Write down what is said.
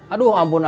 aduh ampun aku